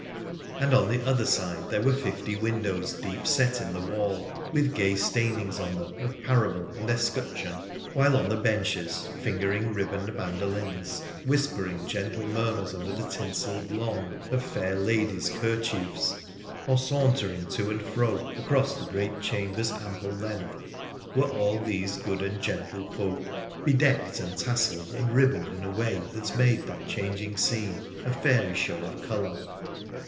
And on the other side there were fifty windows deep set in the waU, with gay stainings on them of parable and escutcheon ; while oh the benches, fingering ribboned mandolins, whispering gentle murmurs under the tinselled lawn of fair ladies' ker &' h2 148 WONDERFUL ADVENTURES OF chiefs, or sauntering to and fro across the great chamber's ample length, were all these good and gentle folk, bedecked and tasselled and ribboned in a way that made that changing scene a very fairy show of colour.